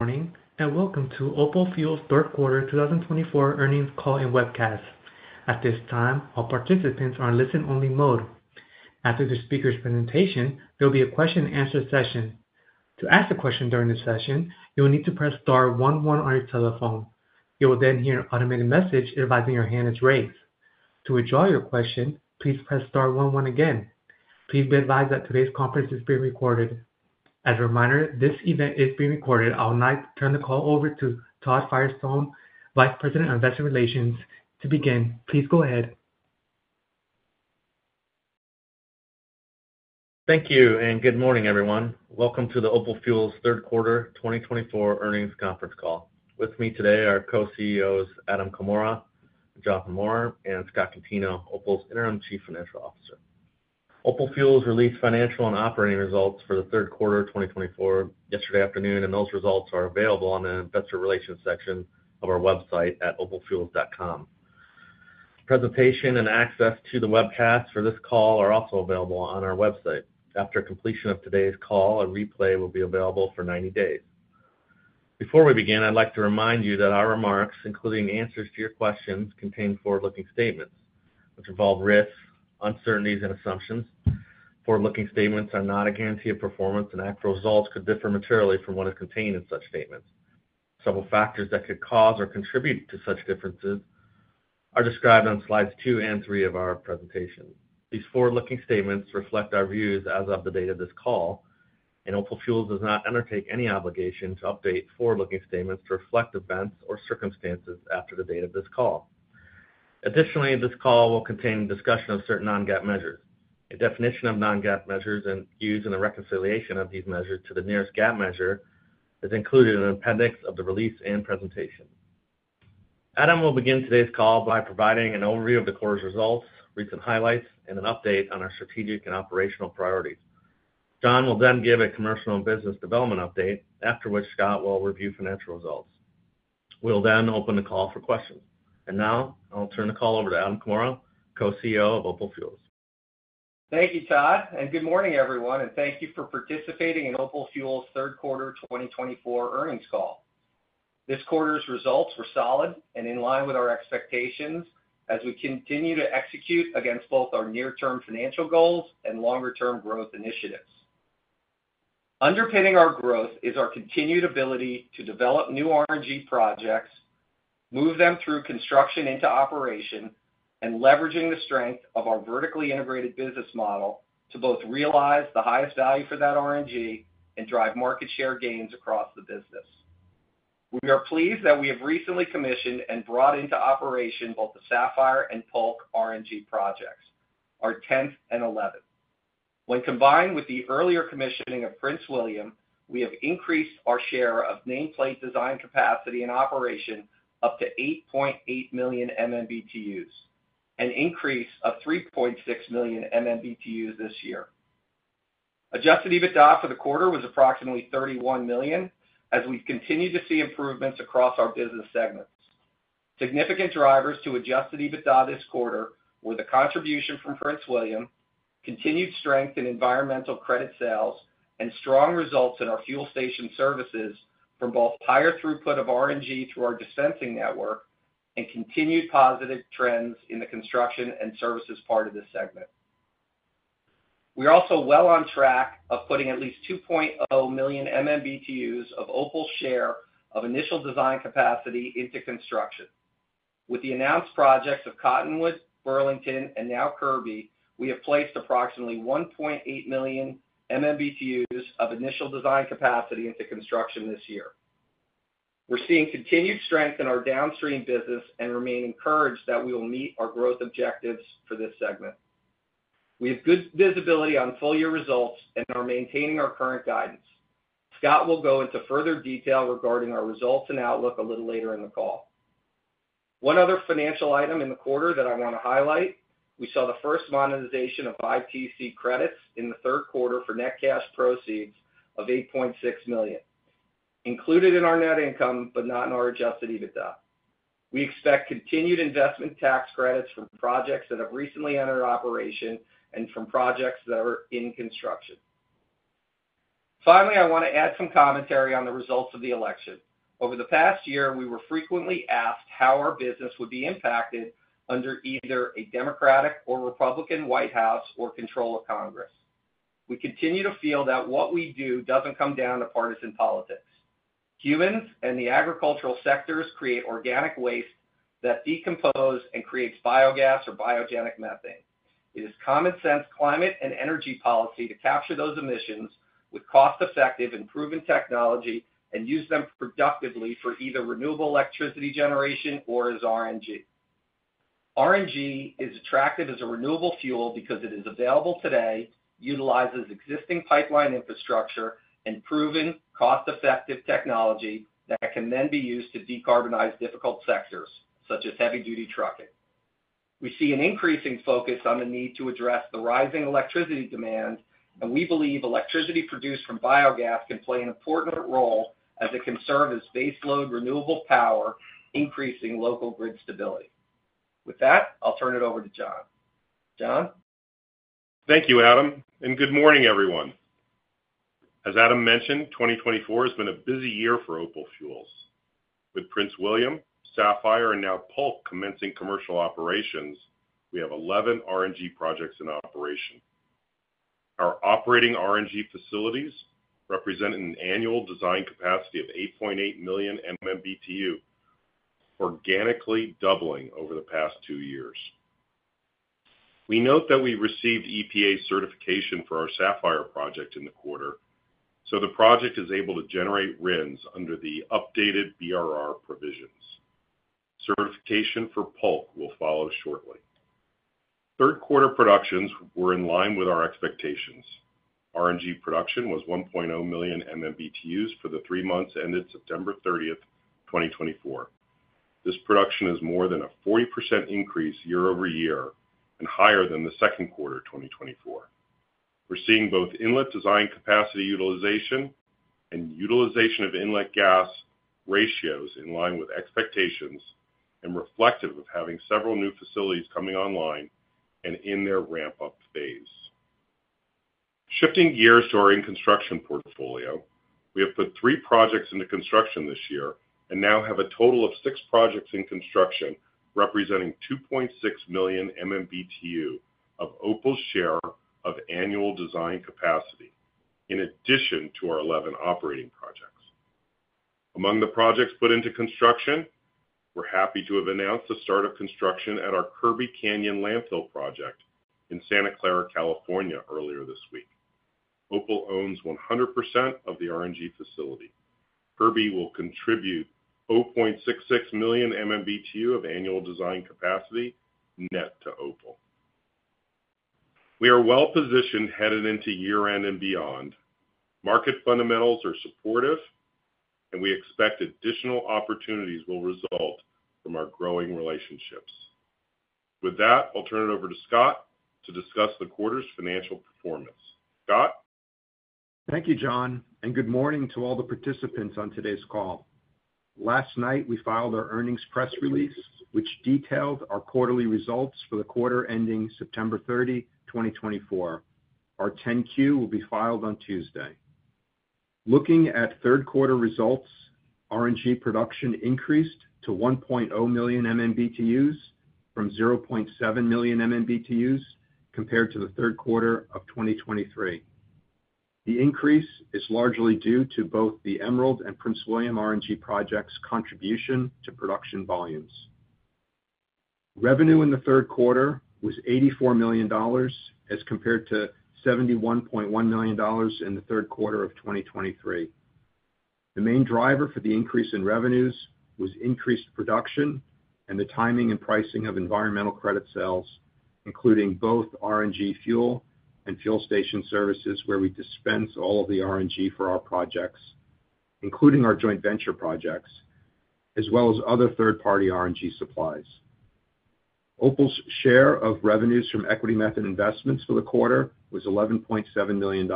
Morning, and welcome to OPAL Fuels Third Quarter 2024 earnings call and webcast. At this time, all participants are in listen-only mode. After the speaker's presentation, there will be a question-and-answer session. To ask a question during this session, you will need to press star 11 on your telephone. You will then hear an automated message advising your hand is raised. To withdraw your question, please press star 11 again. Please be advised that today's conference is being recorded. As a reminder, this event is being recorded. I would like to turn the call over to Todd Firestone, Vice President of Investment Relations. To begin, please go ahead. Thank you, and good morning, everyone. Welcome to the OPAL Fuels Third Quarter 2024 earnings conference call. With me today are co-CEOs Adam Comora, Jonathan Maurer, and Scott Contino, OPAL's interim Chief Financial Officer. OPAL Fuels released financial and operating results for the Third Quarter 2024 yesterday afternoon, and those results are available on the investor relations section of our website at opalfuels.com. Presentation and access to the webcast for this call are also available on our website. After completion of today's call, a replay will be available for 90 days. Before we begin, I'd like to remind you that our remarks, including answers to your questions, contain forward-looking statements which involve risks, uncertainties, and assumptions. Forward-looking statements are not a guarantee of performance, and actual results could differ materially from what is contained in such statements. Several factors that could cause or contribute to such differences are described on slides two and three of our presentation. These forward-looking statements reflect our views as of the date of this call, and OPAL Fuels does not undertake any obligation to update forward-looking statements to reflect events or circumstances after the date of this call. Additionally, this call will contain discussion of certain non-GAAP measures. A definition of non-GAAP measures and views and the reconciliation of these measures to the nearest GAAP measure is included in an appendix of the release and presentation. Adam will begin today's call by providing an overview of the quarter's results, recent highlights, and an update on our strategic and operational priorities. Jon will then give a commercial and business development update, after which Scott will review financial results. We'll then open the call for questions. Now, I'll turn the call over to Adam Comora, Co-CEO of OPAL Fuels. Thank you, Todd, and good morning, everyone, and thank you for participating in OPAL Fuels third quarter 2024 earnings call. This quarter's results were solid and in line with our expectations as we continue to execute against both our near-term financial goals and longer-term growth initiatives. Underpinning our growth is our continued ability to develop new RNG projects, move them through construction into operation, and leveraging the strength of our vertically integrated business model to both realize the highest value for that RNG and drive market share gains across the business. We are pleased that we have recently commissioned and brought into operation both the Sapphire and Polk RNG projects, our 10th and 11th. When combined with the earlier commissioning of Prince William, we have increased our share of nameplate design capacity in operation up to 8.8 million MMBtu, an increase of 3.6 million MMBtu this year. Adjusted EBITDA for the quarter was approximately $31 million, as we've continued to see improvements across our business segments. Significant drivers to adjusted EBITDA this quarter were the contribution from Prince William, continued strength in environmental credit sales, and strong results in our fuel station services from both higher throughput of RNG through our dispensing network and continued positive trends in the construction and services part of this segment. We are also well on track of putting at least 2.0 million MMBtu of OPAL's share of initial design capacity into construction. With the announced projects of Cottonwood, Burlington, and now Kirby, we have placed approximately 1.8 million MMBtu of initial design capacity into construction this year. We're seeing continued strength in our downstream business and remain encouraged that we will meet our growth objectives for this segment. We have good visibility on full-year results and are maintaining our current guidance. Scott will go into further detail regarding our results and outlook a little later in the call. One other financial item in the quarter that I want to highlight: we saw the first monetization of ITC credits in the third quarter for net cash proceeds of $8.6 million, included in our net income but not in our Adjusted EBITDA. We expect continued investment tax credits from projects that have recently entered operation and from projects that are in construction. Finally, I want to add some commentary on the results of the election. Over the past year, we were frequently asked how our business would be impacted under either a Democratic or Republican White House or control of Congress. We continue to feel that what we do doesn't come down to partisan politics. Humans and the agricultural sectors create organic waste that decomposes and creates biogas or biogenic methane. It is common-sense climate and energy policy to capture those emissions with cost-effective and proven technology and use them productively for either renewable electricity generation or as RNG. RNG is attractive as a renewable fuel because it is available today, utilizes existing pipeline infrastructure, and proven cost-effective technology that can then be used to decarbonize difficult sectors such as heavy-duty trucking. We see an increasing focus on the need to address the rising electricity demand, and we believe electricity produced from biogas can play an important role as it can serve as baseload renewable power, increasing local grid stability. With that, I'll turn it over to Jon. Jon? Thank you, Adam, and good morning, everyone. As Adam mentioned, 2024 has been a busy year for OPAL Fuels. With Prince William, Sapphire, and now Polk commencing commercial operations, we have 11 RNG projects in operation. Our operating RNG facilities represent an annual design capacity of 8.8 million MMBtu, organically doubling over the past two years. We note that we received EPA certification for our Sapphire project in the quarter, so the project is able to generate RINs under the updated BRR provisions. Certification for Polk will follow shortly. Third quarter productions were in line with our expectations. RNG production was 1.0 million MMBtus for the three months ended September 30, 2024. This production is more than a 40% increase year over year and higher than the second quarter 2024. We're seeing both inlet design capacity utilization and utilization of inlet gas ratios in line with expectations and reflective of having several new facilities coming online and in their ramp-up phase. Shifting gears to our in-construction portfolio, we have put three projects into construction this year and now have a total of six projects in construction representing 2.6 million MMBtu of OPAL's share of annual design capacity, in addition to our 11 operating projects. Among the projects put into construction, we're happy to have announced the start of construction at our Kirby Canyon landfill project in Santa Clara, California, earlier this week. OPAL owns 100% of the RNG facility. Kirby will contribute 0.66 million MMBtu of annual design capacity net to OPAL. We are well-positioned headed into year-end and beyond. Market fundamentals are supportive, and we expect additional opportunities will result from our growing relationships. With that, I'll turn it over to Scott to discuss the quarter's financial performance. Scott? Thank you, Jon, and good morning to all the participants on today's call. Last night, we filed our earnings press release, which detailed our quarterly results for the quarter ending September 30, 2024. Our 10-Q will be filed on Tuesday. Looking at third quarter results, RNG production increased to 1.0 million MMBtu from 0.7 million MMBtu compared to the third quarter of 2023. The increase is largely due to both the Emerald and Prince William RNG projects' contribution to production volumes. Revenue in the third quarter was $84 million as compared to $71.1 million in the third quarter of 2023. The main driver for the increase in revenues was increased production and the timing and pricing of environmental credit sales, including both RNG fuel and fuel station services, where we dispense all of the RNG for our projects, including our joint venture projects, as well as other third-party RNG supplies. OPAL's share of revenues from equity method investments for the quarter was $11.7 million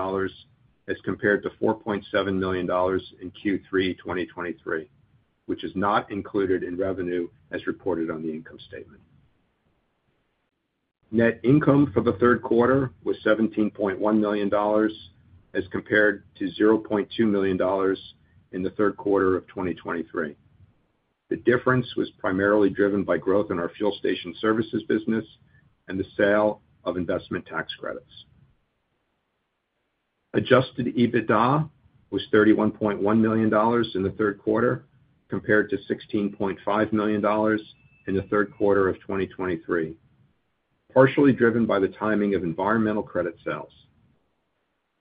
as compared to $4.7 million in Q3 2023, which is not included in revenue as reported on the income statement. Net income for the third quarter was $17.1 million as compared to $0.2 million in the third quarter of 2023. The difference was primarily driven by growth in our fuel station services business and the sale of investment tax credits. Adjusted EBITDA was $31.1 million in the third quarter compared to $16.5 million in the third quarter of 2023, partially driven by the timing of environmental credit sales.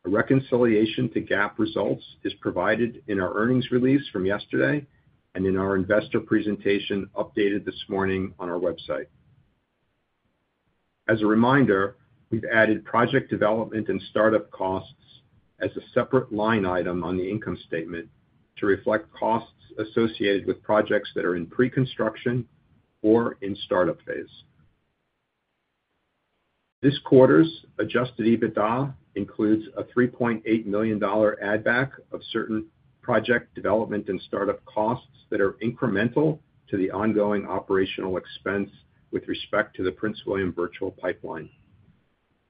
A reconciliation to GAAP results is provided in our earnings release from yesterday and in our investor presentation updated this morning on our website. As a reminder, we've added project development and startup costs as a separate line item on the income statement to reflect costs associated with projects that are in pre-construction or in startup phase. This quarter's adjusted EBITDA includes a $3.8 million add-back of certain project development and startup costs that are incremental to the ongoing operational expense with respect to the Prince William virtual pipeline.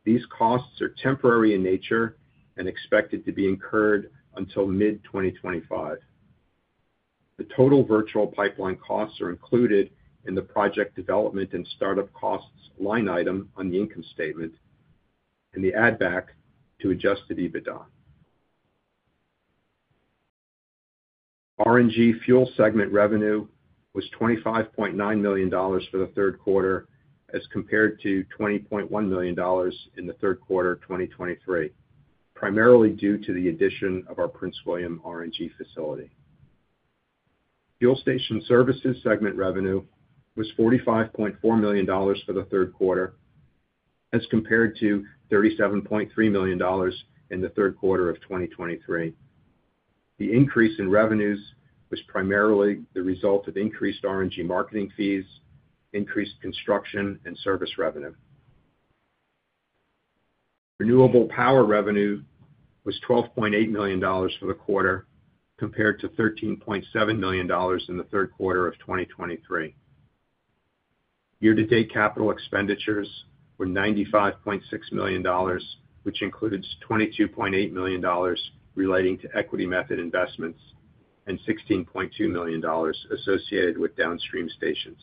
These costs are temporary in nature and expected to be incurred until mid-2025. The total virtual pipeline costs are included in the project development and startup costs line item on the income statement and the add-back to adjusted EBITDA. RNG fuel segment revenue was $25.9 million for the third quarter as compared to $20.1 million in the third quarter 2023, primarily due to the addition of our Prince William RNG facility. Fuel station services segment revenue was $45.4 million for the third quarter as compared to $37.3 million in the third quarter of 2023. The increase in revenues was primarily the result of increased RNG marketing fees, increased construction, and service revenue. Renewable power revenue was $12.8 million for the quarter compared to $13.7 million in the third quarter of 2023. Year-to-date capital expenditures were $95.6 million, which included $22.8 million relating to equity method investments and $16.2 million associated with downstream stations.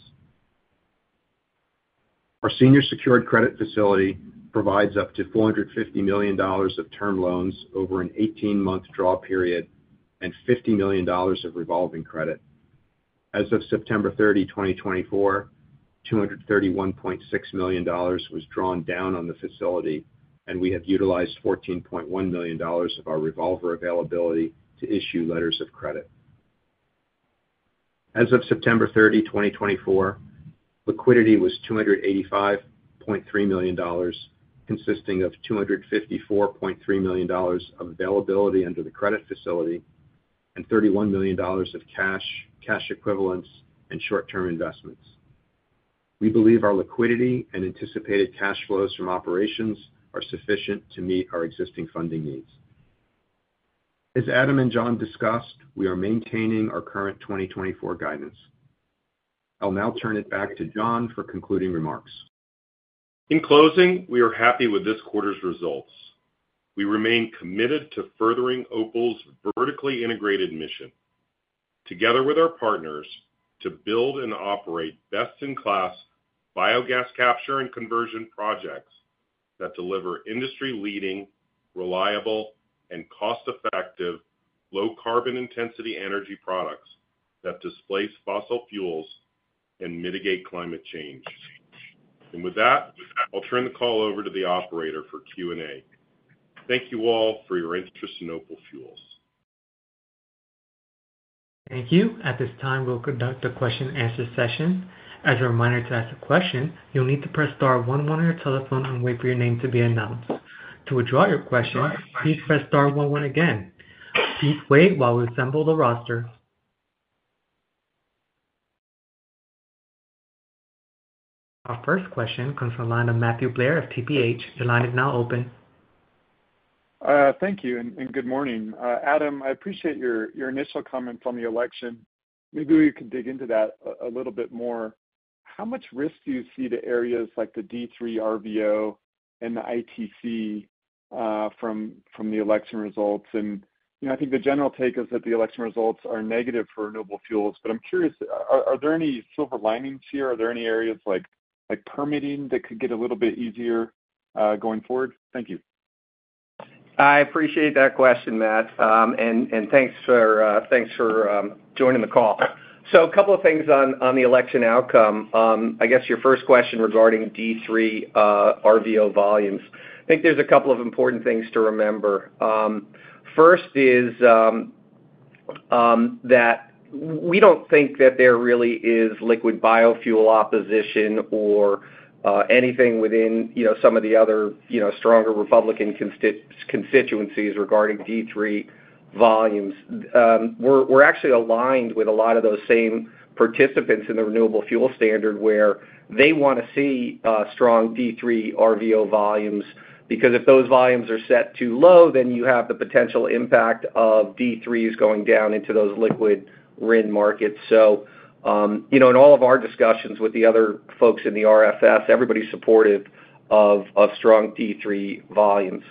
Our senior secured credit facility provides up to $450 million of term loans over an 18-month draw period and $50 million of revolving credit. As of September 30, 2024, $231.6 million was drawn down on the facility, and we have utilized $14.1 million of our revolver availability to issue letters of credit. As of September 30, 2024, liquidity was $285.3 million, consisting of $254.3 million of availability under the credit facility and $31 million of cash, cash equivalents, and short-term investments. We believe our liquidity and anticipated cash flows from operations are sufficient to meet our existing funding needs. As Adam and Jon discussed, we are maintaining our current 2024 guidance. I'll now turn it back to Jon for concluding remarks. In closing, we are happy with this quarter's results. We remain committed to furthering OPAL's vertically integrated mission, together with our partners, to build and operate best-in-class biogas capture and conversion projects that deliver industry-leading, reliable, and cost-effective low-carbon intensity energy products that displace fossil fuels and mitigate climate change, and with that, I'll turn the call over to the operator for Q&A. Thank you all for your interest in OPAL Fuels. Thank you. At this time, we'll conduct a question-and-answer session. As a reminder to ask a question, you'll need to press star 11 on your telephone and wait for your name to be announced. To withdraw your question, please press star 11 again. Please wait while we assemble the roster. Our first question comes from Matthew Blair of TPH. Your line is now open. Thank you and good morning. Adam, I appreciate your initial comment on the election. Maybe we could dig into that a little bit more. How much risk do you see to areas like the D3 RVO and the ITC from the election results? And I think the general take is that the election results are negative for renewable fuels, but I'm curious, are there any silver linings here? Are there any areas like permitting that could get a little bit easier going forward? Thank you. I appreciate that question, Matt, and thanks for joining the call, so a couple of things on the election outcome. I guess your first question regarding D3 RVO volumes. I think there's a couple of important things to remember. First is that we don't think that there really is liquid biofuel opposition or anything within some of the other stronger Republican constituencies regarding D3 volumes. We're actually aligned with a lot of those same participants in the Renewable Fuel Standard where they want to see strong D3 RVO volumes because if those volumes are set too low, then you have the potential impact of D3s going down into those liquid RIN markets, so in all of our discussions with the other folks in the RFS, everybody's supportive of strong D3 volumes.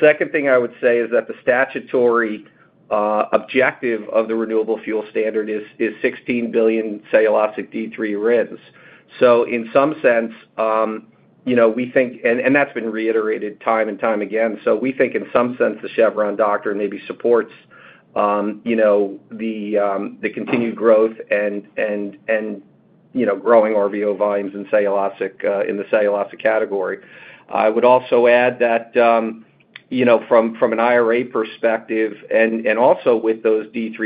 Second thing I would say is that the statutory objective of the Renewable Fuel Standard is 16 billion cellulosic D3 RINs. So in some sense, we think, and that's been reiterated time and time again, so we think in some sense the Chevron Doctrine maybe supports the continued growth and growing RVO volumes in the cellulosic category. I would also add that from an IRA perspective and also with those D3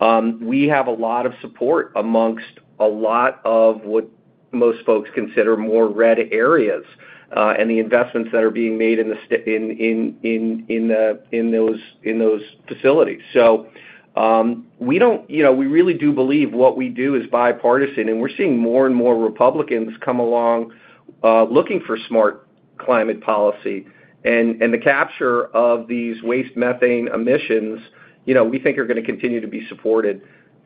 RVOs, we have a lot of support amongst a lot of what most folks consider more red areas and the investments that are being made in those facilities. So we really do believe what we do is bipartisan, and we're seeing more and more Republicans come along looking for smart climate policy, and the capture of these waste methane emissions, we think, are going to continue to be supported.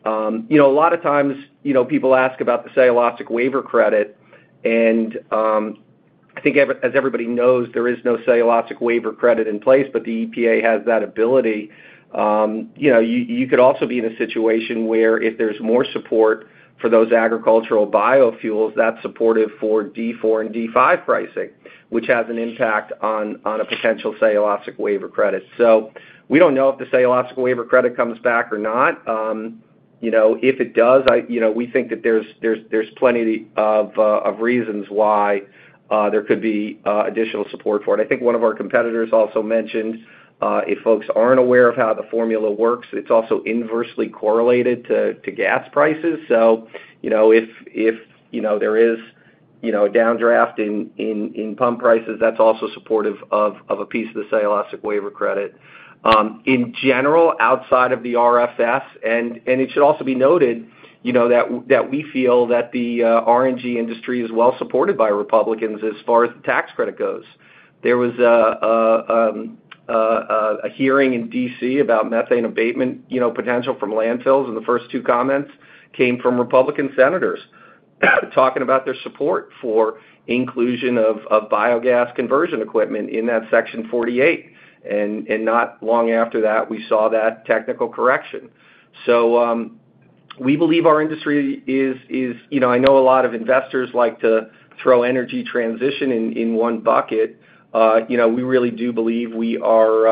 A lot of times, people ask about the Cellulosic Waiver Credit. I think, as everybody knows, there is no Cellulosic Waiver Credit in place, but the EPA has that ability. You could also be in a situation where if there's more support for those agricultural biofuels, that's supportive for D4 and D5 pricing, which has an impact on a potential Cellulosic Waiver Credit. We don't know if the Cellulosic Waiver Credit comes back or not. If it does, we think that there's plenty of reasons why there could be additional support for it. I think one of our competitors also mentioned, if folks aren't aware of how the formula works, it's also inversely correlated to gas prices. If there is a downdraft in pump prices, that's also supportive of a piece of the Cellulosic Waiver Credit. In general, outside of the RFS, and it should also be noted that we feel that the RNG industry is well supported by Republicans as far as the tax credit goes. There was a hearing in DC about methane abatement potential from landfills, and the first two comments came from Republican senators talking about their support for inclusion of biogas conversion equipment in that Section 48. And not long after that, we saw that technical correction. So we believe our industry is. I know a lot of investors like to throw energy transition in one bucket. We really do believe we are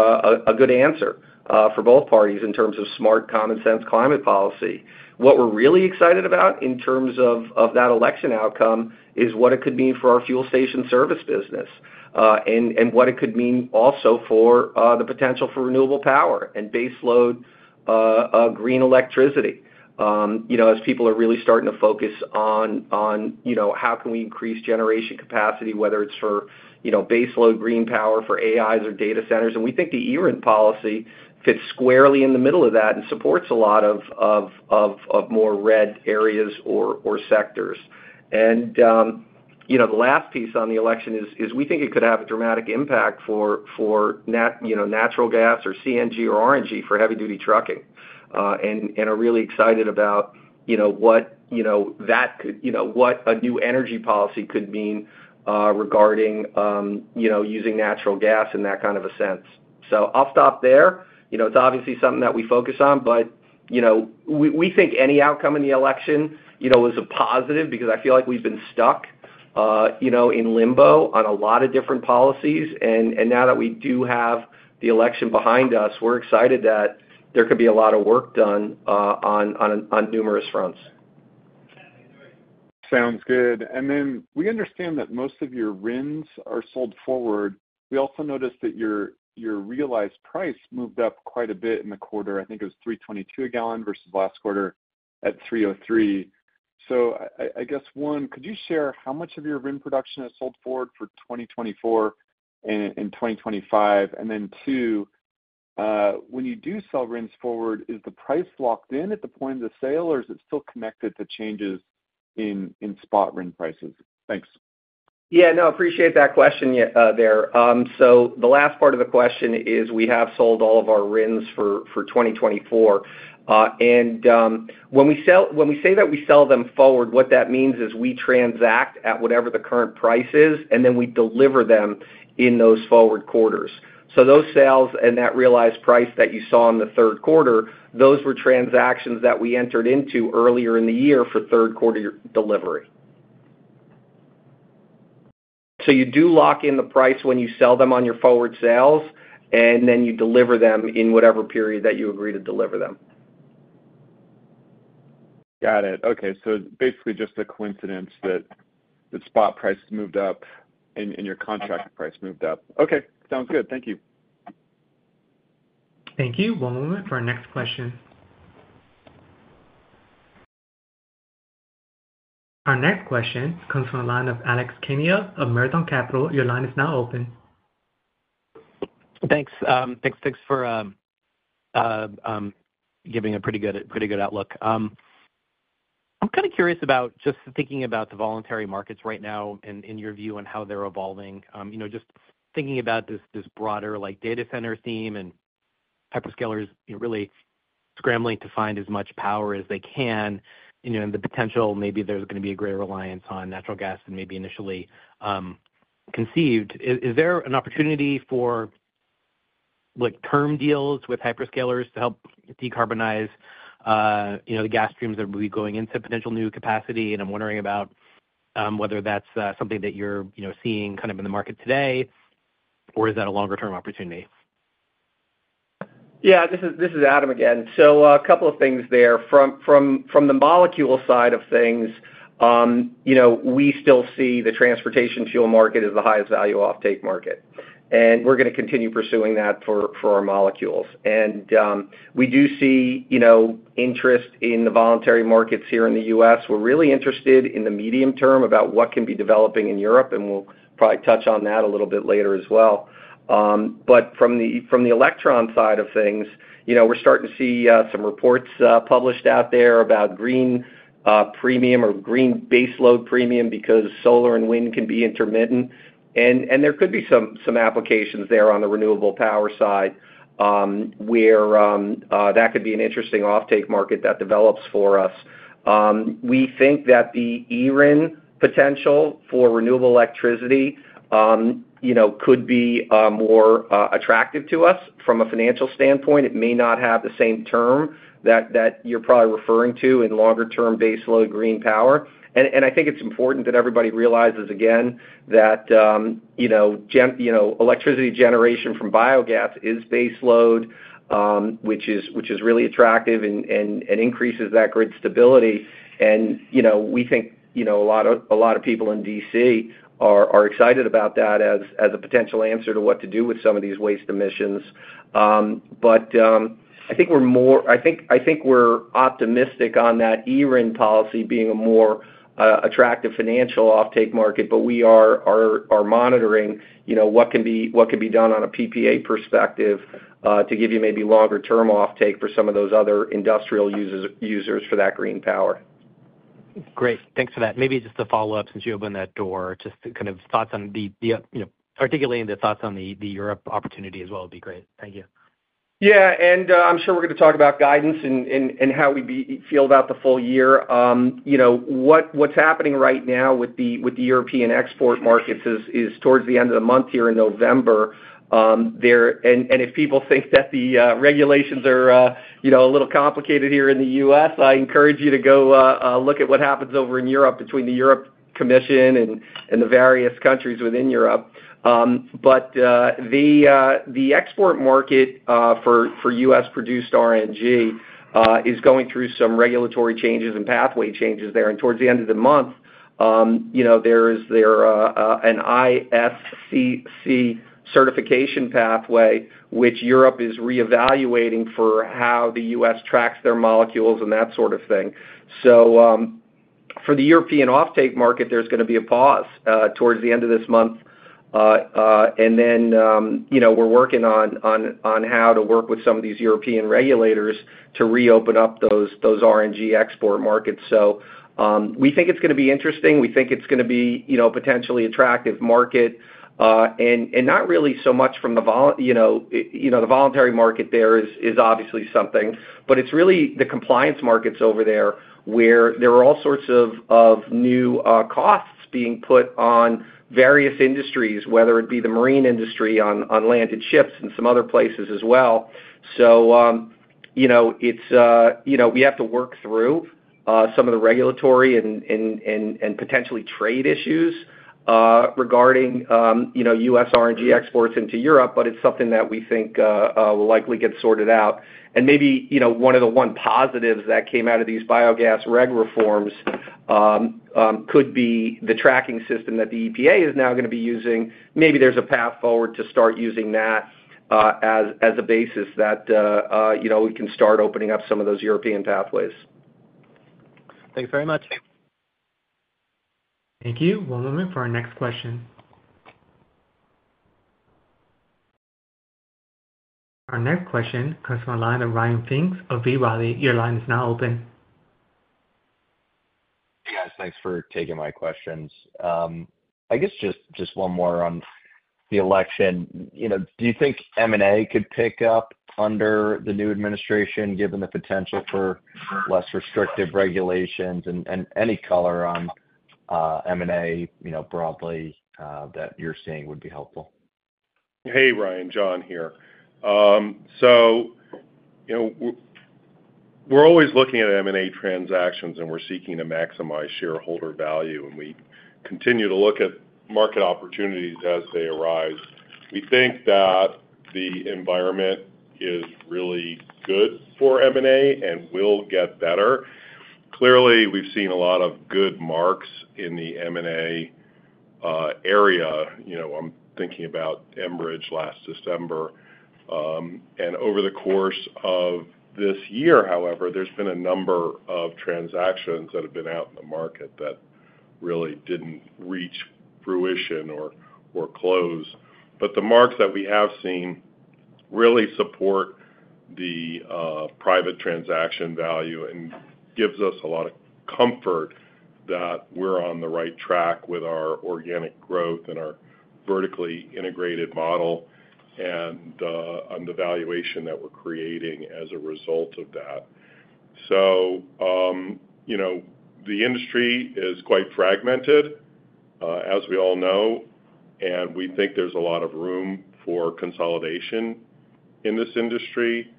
a good answer for both parties in terms of smart, common-sense climate policy. What we're really excited about in terms of that election outcome is what it could mean for our fuel station service business and what it could mean also for the potential for renewable power and baseload green electricity as people are really starting to focus on how can we increase generation capacity, whether it's for baseload green power for AIs or data centers. And we think the eRIN policy fits squarely in the middle of that and supports a lot of more red areas or sectors. And the last piece on the election is we think it could have a dramatic impact for natural gas or CNG or RNG for heavy-duty trucking. And we're really excited about what that could, what a new energy policy could mean regarding using natural gas in that kind of a sense. So I'll stop there. It's obviously something that we focus on, but we think any outcome in the election was a positive because I feel like we've been stuck in limbo on a lot of different policies, and now that we do have the election behind us, we're excited that there could be a lot of work done on numerous fronts. Sounds good, and then we understand that most of your RINs are sold forward. We also noticed that your realized price moved up quite a bit in the quarter. I think it was $3.22 a gallon versus last quarter at $3.03, so I guess, one, could you share how much of your RIN production is sold forward for 2024 and 2025? And then two, when you do sell RINs forward, is the price locked in at the point of the sale, or is it still connected to changes in spot RIN prices? Thanks. Yeah, no, I appreciate that question there. So the last part of the question is we have sold all of our RINs for 2024. And when we say that we sell them forward, what that means is we transact at whatever the current price is, and then we deliver them in those forward quarters. So those sales and that realized price that you saw in the third quarter, those were transactions that we entered into earlier in the year for third-quarter delivery. So you do lock in the price when you sell them on your forward sales, and then you deliver them in whatever period that you agree to deliver them. Got it. Okay. So it's basically just a coincidence that the spot price moved up and your contract price moved up. Okay. Sounds good. Thank you. Thank you. One moment for our next question. Our next question comes from the line of Alex Kania of Marathon Capital. Your line is now open. Thanks. Thanks for giving a pretty good outlook. I'm kind of curious about just thinking about the voluntary markets right now and your view on how they're evolving. Just thinking about this broader data center theme and hyperscalers really scrambling to find as much power as they can and the potential maybe there's going to be a greater reliance on natural gas than maybe initially conceived. Is there an opportunity for term deals with hyperscalers to help decarbonize the gas streams that will be going into potential new capacity? And I'm wondering about whether that's something that you're seeing kind of in the market today, or is that a longer-term opportunity? Yeah, this is Adam again. So a couple of things there. From the molecule side of things, we still see the transportation fuel market as the highest value offtake market. And we're going to continue pursuing that for our molecules. And we do see interest in the voluntary markets here in the US. We're really interested in the medium term about what can be developing in Europe, and we'll probably touch on that a little bit later as well. But from the electron side of things, we're starting to see some reports published out there about green premium or green baseload premium because solar and wind can be intermittent. And there could be some applications there on the renewable power side where that could be an interesting offtake market that develops for us. We think that the eRIN potential for renewable electricity could be more attractive to us from a financial standpoint. It may not have the same term that you're probably referring to in longer-term baseload green power, and I think it's important that everybody realizes again that electricity generation from biogas is baseload, which is really attractive and increases that grid stability. And we think a lot of people in DC are excited about that as a potential answer to what to do with some of these waste emissions. But I think we're optimistic on that eRIN policy being a more attractive financial offtake market, but we are monitoring what can be done on a PPA perspective to give you maybe longer-term offtake for some of those other industrial users for that green power. Great. Thanks for that. Maybe just to follow up since you opened that door, just kind of thoughts on articulating the thoughts on the Europe opportunity as well would be great. Thank you. Yeah. And I'm sure we're going to talk about guidance and how we feel about the full year. What's happening right now with the European export markets is towards the end of the month here in November. And if people think that the regulations are a little complicated here in the U.S., I encourage you to go look at what happens over in Europe between the European Commission and the various countries within Europe. But the export market for U.S.-produced RNG is going through some regulatory changes and pathway changes there. And towards the end of the month, there is an ISCC certification pathway, which Europe is reevaluating for how the U.S. tracks their molecules and that sort of thing. So for the European offtake market, there's going to be a pause towards the end of this month. Then we're working on how to work with some of these European regulators to reopen up those RNG export markets. So we think it's going to be interesting. We think it's going to be a potentially attractive market. And not really so much from the voluntary market there is obviously something, but it's really the compliance markets over there where there are all sorts of new costs being put on various industries, whether it be the marine industry on land and ships and some other places as well. So it's we have to work through some of the regulatory and potentially trade issues regarding U.S. RNG exports into Europe, but it's something that we think will likely get sorted out. And maybe one of the positives that came out of these biogas regulatory reforms could be the tracking system that the EPA is now going to be using. Maybe there's a path forward to start using that as a basis that we can start opening up some of those European pathways. Thanks very much. Thank you. One moment for our nextquestion. Our next question comes from the line of Ryan Pfingst of B. Riley Securities. Your line is now open. Hey, guys. Thanks for taking my questions. I guessjust one more on the election. Do you think M&A could pick up under the new administration given the potential for less restrictive regulations? And any color on M&A broadly that you're seeing would be helpful. Hey, Ryan. Jonathan here. So we're always looking at M&A transactions, and we're seeking to maximize shareholder value. And we continue to look at market opportunities as they arise. We think that the environment is really good for M&A and will get better. Clearly, we've seen a lot of good marks in the M&A area. I'm thinking about Enbridge last December. And over the course of this year, however, there's been a number of transactions that have been out in the market that really didn't reach fruition or close. But the marks that we have seen really support the private transaction value and gives us a lot of comfort that we're on the right track with our organic growth and our vertically integrated model and the valuation that we're creating as a result of that. So the industry is quite fragmented, as we all know, and we think there's a lot of room for consolidation in this industry.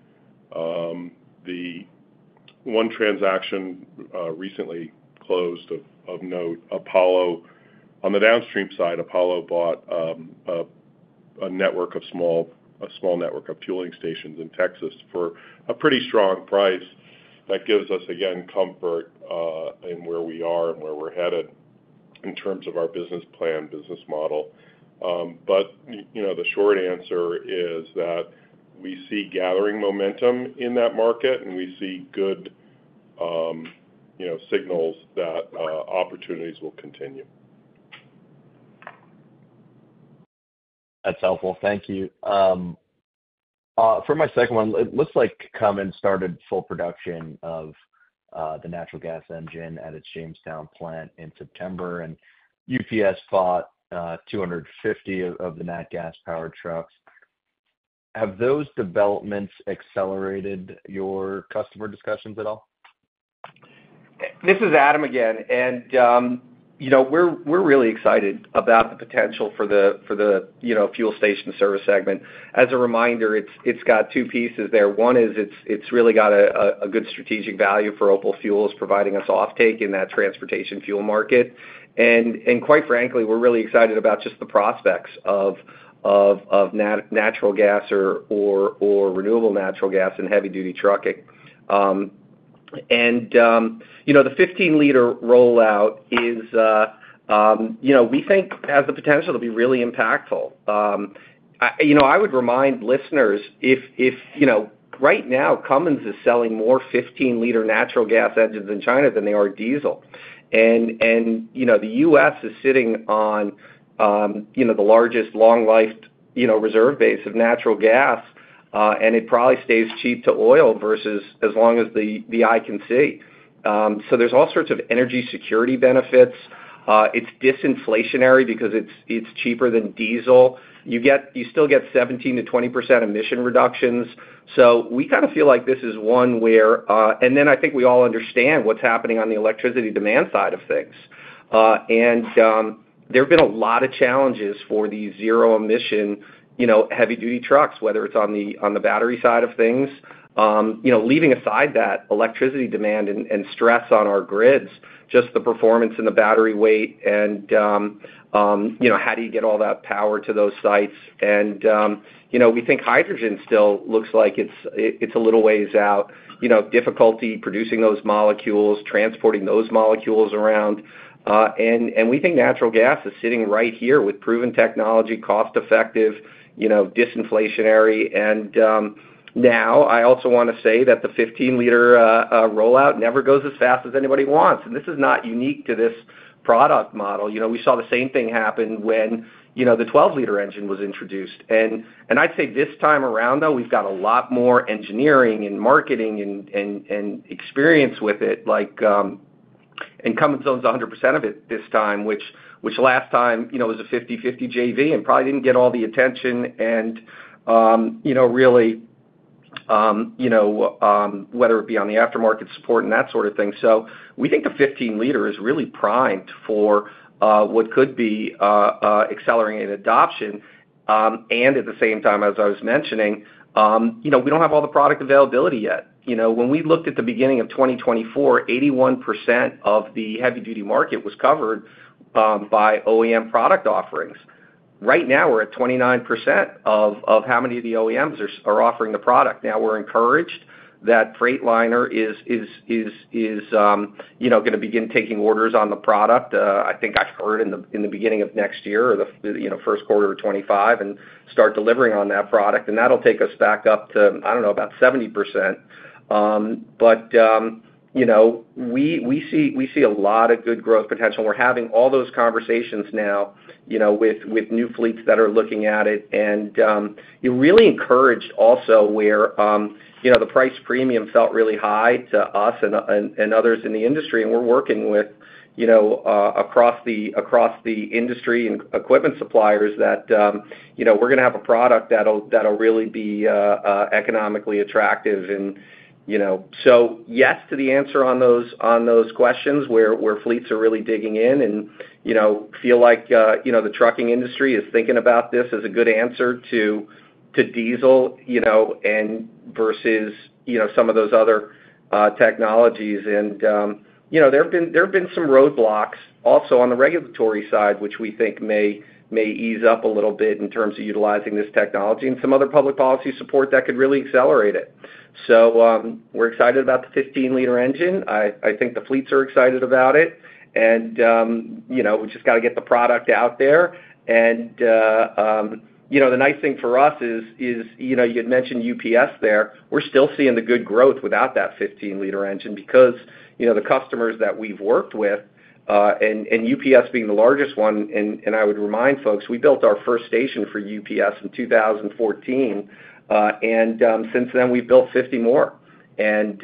One transaction recently closed of note, Apollo. On the downstream side, Apollo bought a small network of fueling stations in Texas for a pretty strong price. That gives us, again, comfort in where we are and where we're headed in terms of our business plan, business model. But the short answer is that we see gathering momentum in that market, and we see good signals that opportunities will continue. That's helpful. Thank you. For my second one, it looks like Cummins started full production of the natural gas engine at its Jamestown plant in September, and UPS bought 250 of the Nat Gas-powered trucks. Have those developments accelerated your customer discussions at all? This is Adam again. And we're really excited about the potential for the fuel station service segment. As a reminder, it's got two pieces there. One is it's really got a good strategic value for OPAL Fuels providing us offtake in that transportation fuel market. And quite frankly, we're really excited about just the prospects of natural gas or renewable natural gas in heavy-duty trucking. And the 15-liter rollout is we think has the potential to be really impactful. I would remind listeners, right now, Cummins is selling more 15-liter natural gas engines in China than they are diesel. And the U.S. is sitting on the largest long-life reserve base of natural gas, and it probably stays cheap to oil versus as long as the eye can see. So there's all sorts of energy security benefits. It's disinflationary because it's cheaper than diesel. You still get 17%-20% emission reductions, so we kind of feel like this is one where, and then I think we all understand what's happening on the electricity demand side of things, and there have been a lot of challenges for these zero-emission heavy-duty trucks, whether it's on the battery side of things. Leaving aside that electricity demand and stress on our grids, just the performance and the battery weight, and how do you get all that power to those sites, and we think hydrogen still looks like it's a little ways out, difficulty producing those molecules, transporting those molecules around, and we think natural gas is sitting right here with proven technology, cost-effective, disinflationary, and now I also want to say that the 15-liter rollout never goes as fast as anybody wants, and this is not unique to this product model. We saw the same thing happen when the 12-liter engine was introduced. And I'd say this time around, though, we've got a lot more engineering and marketing and experience with it. And Cummins owns 100% of it this time, which last time was a 50/50 JV and probably didn't get all the attention and really whether it be on the aftermarket support and that sort of thing. So we think the 15-liter is really primed for what could be accelerating adoption. And at the same time, as I was mentioning, we don't have all the product availability yet. When we looked at the beginning of 2024, 81% of the heavy-duty market was covered by OEM product offerings. Right now, we're at 29% of how many of the OEMs are offering the product. Now, we're encouraged that Freightliner is going to begin taking orders on the product. I think I heard in the beginning of next year or the first quarter of 2025 and start delivering on that product. And that'll take us back up to, I don't know, about 70%. But we see a lot of good growth potential. We're having all those conversations now with new fleets that are looking at it. And really encouraged also where the price premium felt really high to us and others in the industry. And we're working with across the industry and equipment suppliers that we're going to have a product that'll really be economically attractive. And so yes to the answer on those questions where fleets are really digging in and feel like the trucking industry is thinking about this as a good answer to diesel versus some of those other technologies. And there have been some roadblocks also on the regulatory side, which we think may ease up a little bit in terms of utilizing this technology and some other public policy support that could really accelerate it. So we're excited about the 15-liter engine. I think the fleets are excited about it. And we just got to get the product out there. And the nice thing for us is you had mentioned UPS there. We're still seeing the good growth without that 15-liter engine because the customers that we've worked with, and UPS being the largest one, and I would remind folks, we built our first station for UPS in 2014. And since then, we've built 50 more. And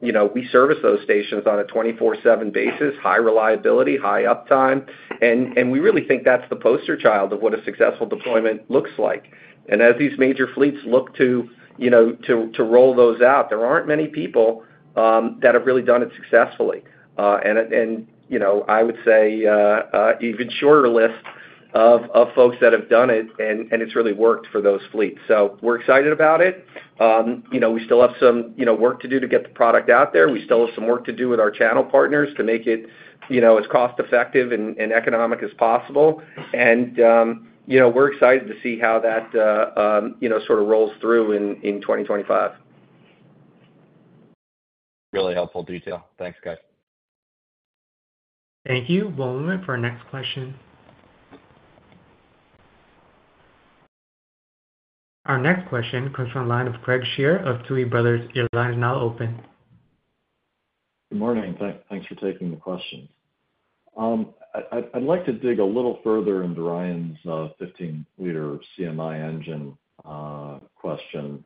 we service those stations on a 24/7 basis, high reliability, high uptime. And we really think that's the poster child of what a successful deployment looks like. And as these major fleets look to roll those out, there aren't many people that have really done it successfully. And I would say even shorter list of folks that have done it, and it's really worked for those fleets. So we're excited about it. We still have some work to do to get the product out there. We still have some work to do with our channel partners to make it as cost-effective and economic as possible. And we're excited to see how that sort of rolls through in 2025. Really helpful detail. Thanks, guys. Thank you. One moment for our next question. Our next question comes from the line of Craig Shere of Tuohy Brothers. Your line is now open. Good morning. Thanks for taking the question. I'd like to dig a little further into Ryan's 15-liter Cummins engine question.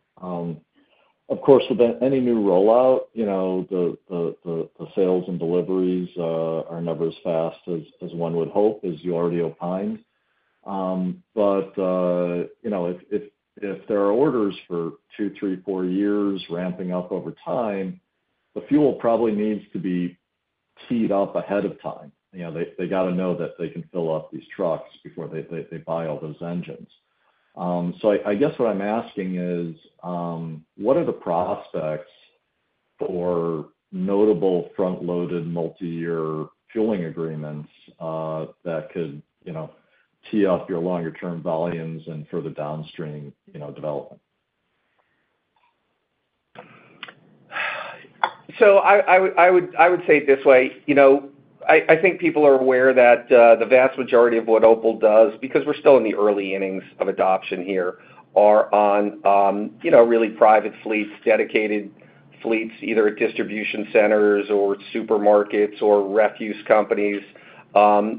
Of course, with any new rollout, the sales and deliveries are never as fast as one would hope, as you already opined. But if there are orders for two, three, four years ramping up over time, the fuel probably needs to be teed up ahead of time. They got to know that they can fill up these trucks before they buy all those engines. So I guess what I'm asking is, what are the prospects for notable front-loaded multi-year fueling agreements that could tee up your longer-term volumes and further downstream development? So I would say it this way. I think people are aware that the vast majority of what OPAL does, because we're still in the early innings of adoption here, are on really private fleets, dedicated fleets, either at distribution centers or supermarkets or refuse companies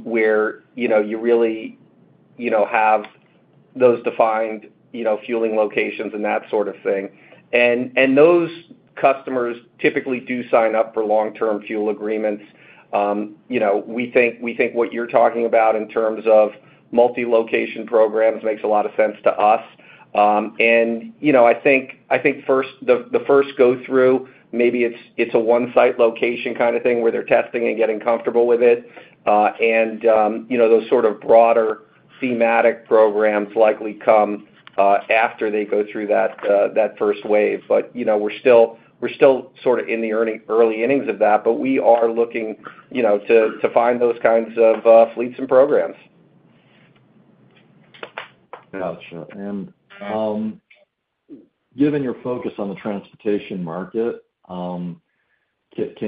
where you really have those defined fueling locations and that sort of thing. And those customers typically do sign up for long-term fuel agreements. We think what you're talking about in terms of multi-location programs makes a lot of sense to us. And I think the first go through, maybe it's a one-site location kind of thing where they're testing and getting comfortable with it. And those sort of broader thematic programs likely come after they go through that first wave. But we're still sort of in the early innings of that, but we are looking to find those kinds of fleets and programs. Gotcha. And given your focus on the transportation market, can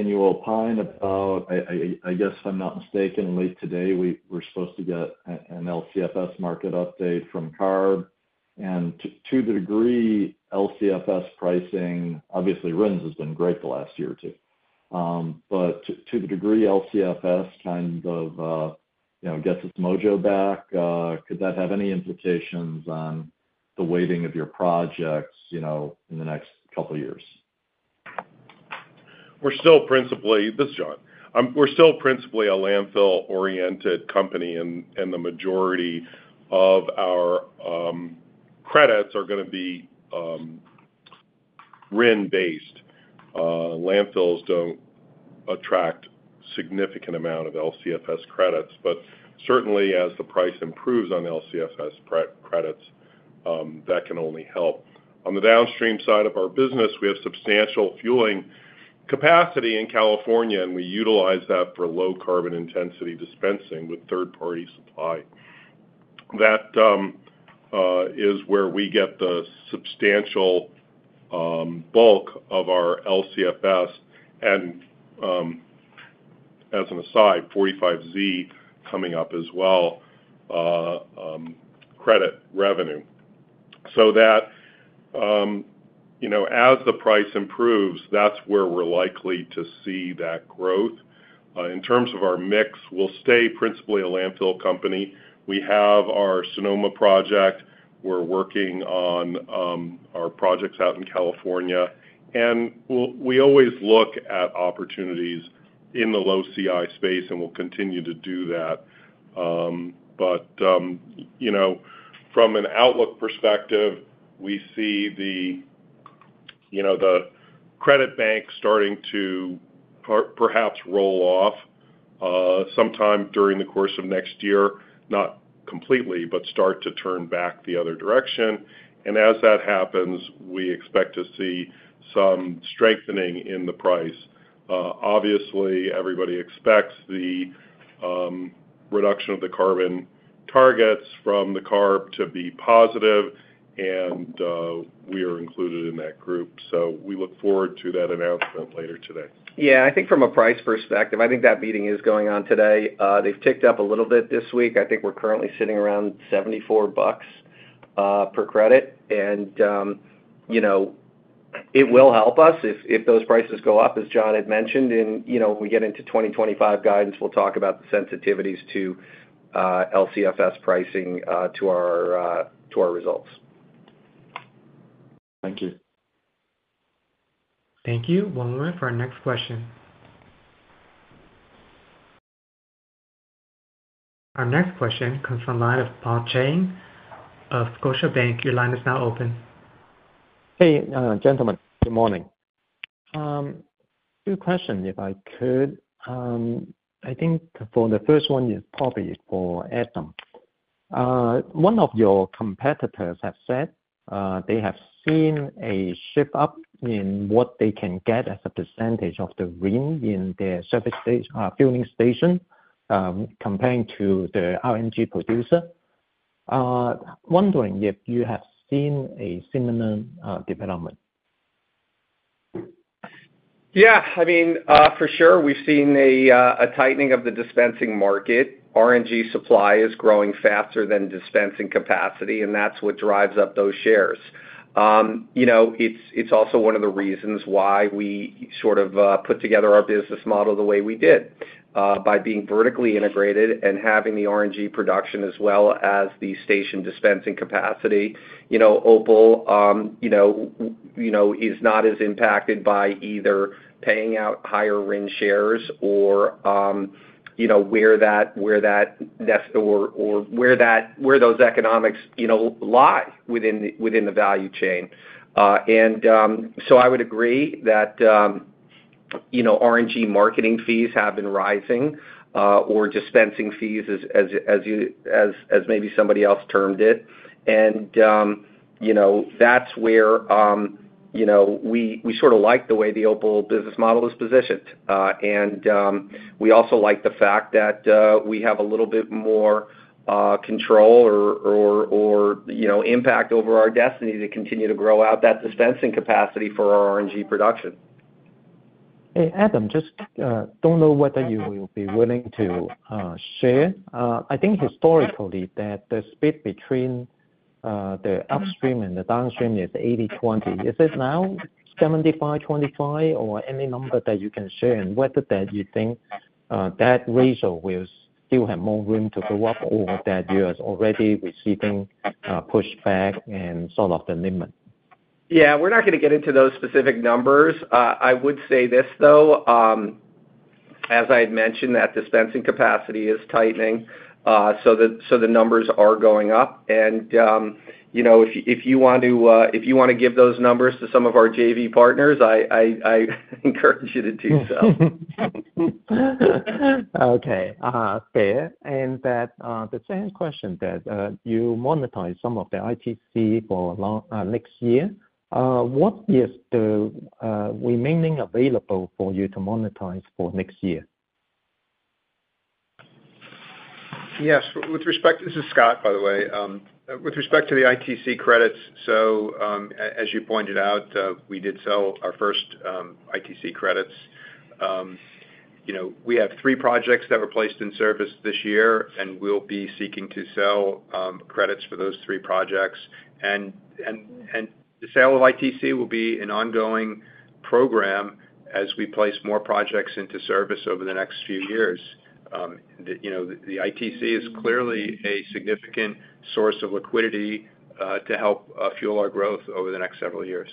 you opine about, I guess if I'm not mistaken, late today, we're supposed to get an LCFS market update from CARB. And to the degree LCFS pricing, obviously, RINs has been great the last year or two. But to the degree LCFS kind of gets its mojo back, could that have any implications on the weighting of your projects in the next couple of years? We're still principally this, John. We're still principally a landfill-oriented company, and the majority of our credits are going to be RIN-based. Landfills don't attract a significant amount of LCFS credits. But certainly, as the price improves on LCFS credits, that can only help. On the downstream side of our business, we have substantial fueling capacity in California, and we utilize that for low-carbon intensity dispensing with third-party supply. That is where we get the substantial bulk of our LCFS. And as an aside, 45Z coming up as well, credit revenue. So as the price improves, that's where we're likely to see that growth. In terms of our mix, we'll stay principally a landfill company. We have our Sonoma project. We're working on our projects out in California. And we always look at opportunities in the low CI space, and we'll continue to do that. But from an outlook perspective, we see the credit bank starting to perhaps roll off sometime during the course of next year, not completely, but start to turn back the other direction. And as that happens, we expect to see some strengthening in the price. Obviously, everybody expects the reduction of the carbon targets from the CARB to be positive, and we are included in that group. So we look forward to that announcement later today. Yeah. I think from a price perspective, I think that meeting is going on today. They've ticked up a little bit this week. I think we're currently sitting around $74 per credit. And it will help us if those prices go up, as John had mentioned. And when we get into 2025 guidance, we'll talk about the sensitivities to LCFS pricing to our results. Thank you. Thank you. One moment for our next question. Our next question comes from the line of Paul Cheng of Scotiabank. Your line is now open. Hey, gentlemen. Good morning. Two questions, if I could. I think for the first one is probably for Adam. One of your competitors has said they have seen a shift up in what they can get as a percentage of the RIN in their fueling station compared to the RNG producer. Wondering if you have seen a similar development. Yeah. I mean, for sure, we've seen a tightening of the dispensing market. RNG supply is growing faster than dispensing capacity, and that's what drives up those shares. It's also one of the reasons why we sort of put together our business model the way we did by being vertically integrated and having the RNG production as well as the station dispensing capacity. OPAL is not as impacted by either paying out higher RIN shares or where that or where those economics lie within the value chain. And so I would agree that RNG marketing fees have been rising or dispensing fees, as maybe somebody else termed it. And that's where we sort of like the way the OPAL business model is positioned. We also like the fact that we have a little bit more control or impact over our destiny to continue to grow out that dispensing capacity for our RNG production. Hey, Adam, just don't know whether you will be willing to share. I think historically that the split between the upstream and the downstream is 80/20. Is it now 75/25 or any number that you can share? And whether that you think that ratio will still have more room to go up or that you are already receiving pushback and sort of the limit? Yeah. We're not going to get into those specific numbers. I would say this, though. As I had mentioned, that dispensing capacity is tightening. So the numbers are going up, and if you want to give those numbers to some of our JV partners, I encourage you to do so. Okay. Fair. And the second question that you monetize some of the ITC for next year. What is the remaining available for you to monetize for next year? Yes. This is Scott, by the way. With respect to the ITC credits, so as you pointed out, we did sell our first ITC credits. We have three projects that were placed in service this year, and we'll be seeking to sell credits for those three projects. And the sale of ITC will be an ongoing program as we place more projects into service over the next few years. The ITC is clearly a significant source of liquidity to help fuel our growth over the next several years.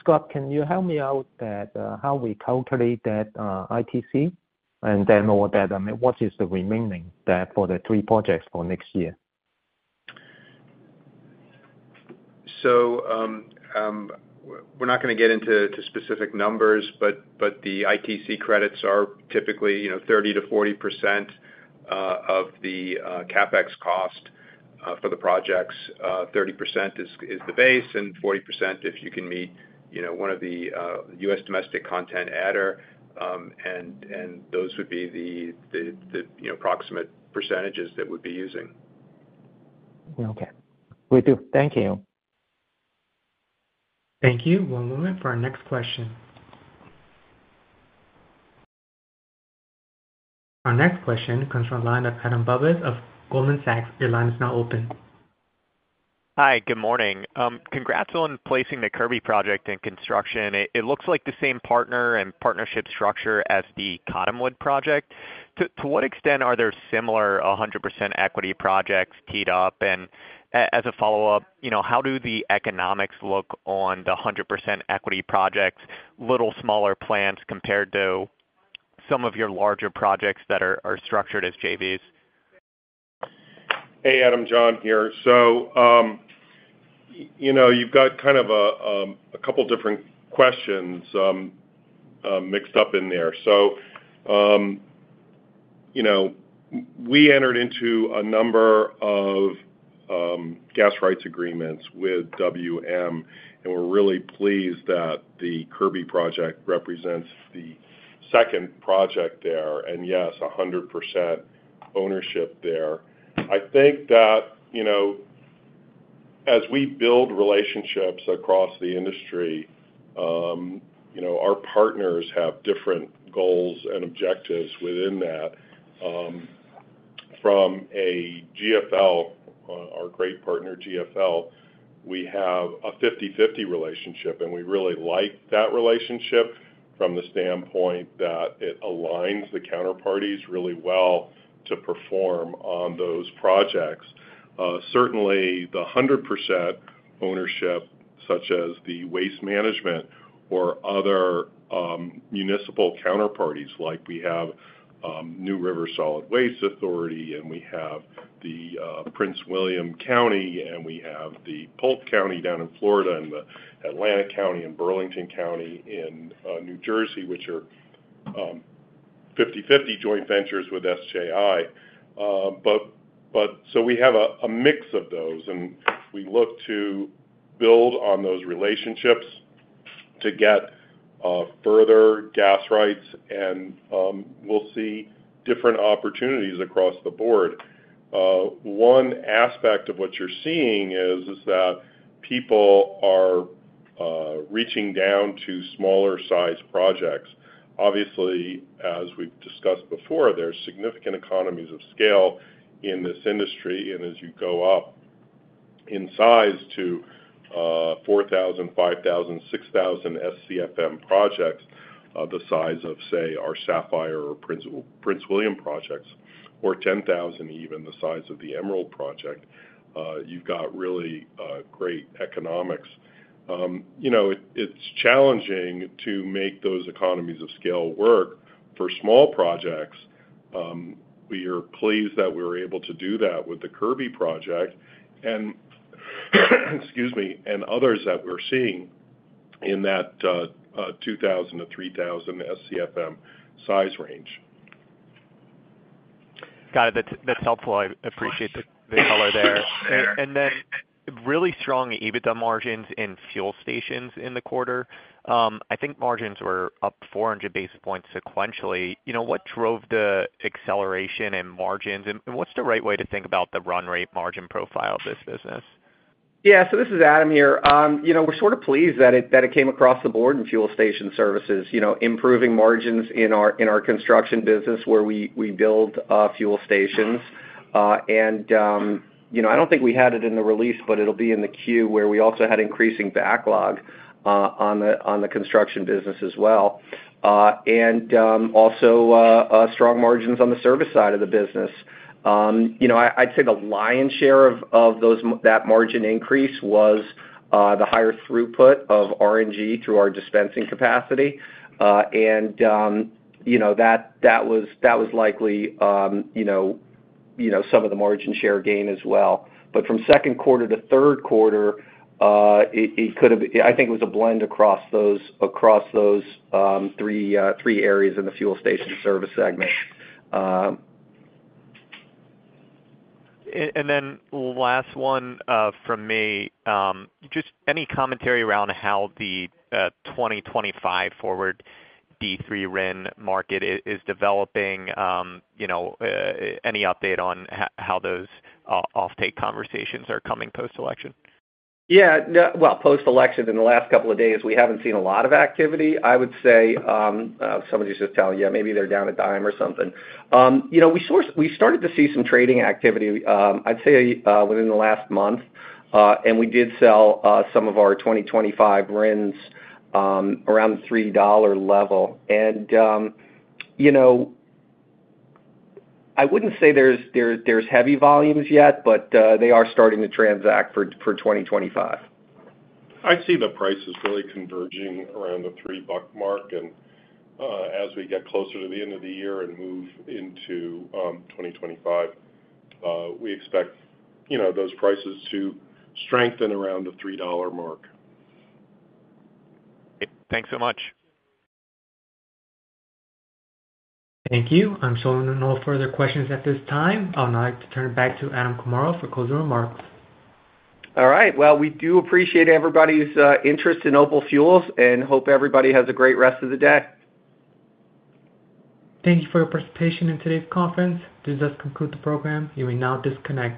Scott, can you help me out with how we calculate that ITC and then know that what is the remaining for the three projects for next year? We're not going to get into specific numbers, but the ITC credits are typically 30%-40% of the CapEx cost for the projects. 30% is the base and 40% if you can meet one of the U.S. domestic content adder. Those would be the approximate percentages that we'd be using. Okay. We do. Thank you. Thank you. One moment for our next question. Our next question comes from the line of Adam Bubes of Goldman Sachs. Your line is now open. Hi. Good morning. Congrats on placing the Kirby project in construction. It looks like the same partner and partnership structure as the Cottonwood project. To what extent are there similar 100% equity projects teed up? And as a follow-up, how do the economics look on the 100% equity projects, little smaller plants compared to some of your larger projects that are structured as JVs? Hey, Adam, John here. So you've got kind of a couple of different questions mixed up in there. So we entered into a number of gas rights agreements with WM, and we're really pleased that the Kirby project represents the second project there. And yes, 100% ownership there. I think that as we build relationships across the industry, our partners have different goals and objectives within that. From a GFL, our great partner GFL, we have a 50/50 relationship, and we really like that relationship from the standpoint that it aligns the counterparties really well to perform on those projects. Certainly, the 100% ownership, such as the waste management or other municipal counterparties, like we have New River Solid Waste Authority, and we have the Prince William County, and we have the Polk County down in Florida, and the Atlantic County, and Burlington County in New Jersey, which are 50/50 joint ventures with SJI, so we have a mix of those, and we look to build on those relationships to get further gas rights, and we'll see different opportunities across the board. One aspect of what you're seeing is that people are reaching down to smaller-sized projects. Obviously, as we've discussed before, there are significant economies of scale in this industry, and as you go up in size to 4,000, 5,000, 6,000 SCFM projects, the size of, say, our Sapphire or Prince William projects, or 10,000, even the size of the Emerald project, you've got really great economics. It's challenging to make those economies of scale work for small projects. We are pleased that we were able to do that with the Kirby project and, excuse me, and others that we're seeing in that 2,000 to 3,000 SCFM size range. Got it. That's helpful. I appreciate the color there. And then really strong EBITDA margins in fuel stations in the quarter. I think margins were up 400 basis points sequentially. What drove the acceleration in margins, and what's the right way to think about the run rate margin profile of this business? Yeah. So this is Adam here. We're sort of pleased that it came across the board in fuel station services, improving margins in our construction business where we build fuel stations. And I don't think we had it in the release, but it'll be in the queue where we also had increasing backlog on the construction business as well. And also strong margins on the service side of the business. I'd say the lion's share of that margin increase was the higher throughput of RNG through our dispensing capacity. And that was likely some of the margin share gain as well. But from second quarter to third quarter, it could have, I think, it was a blend across those three areas in the fuel station service segment. And then last one from me. Just any commentary around how the 2025 forward D3 RIN market is developing? Any update on how those offtake conversations are coming post-election? Yeah. Post-election, in the last couple of days, we haven't seen a lot of activity. I would say somebody's just telling you, yeah, maybe they're down a dime or something. We started to see some trading activity, I'd say, within the last month, and we did sell some of our 2025 RINs around the $3 level. I wouldn't say there's heavy volumes yet, but they are starting to transact for 2025. I'd say the price is really converging around the $3 mark, and as we get closer to the end of the year and move into 2025, we expect those prices to strengthen around the $3 mark. Thanks so much. Thank you. I'm showing no further questions at this time. I'll now turn it back to Adam Comora for closing remarks. All right. Well, we do appreciate everybody's interest in OPAL Fuels and hope everybody has a great rest of the day. Thank you for your participation in today's conference. This does conclude the program. You may now disconnect.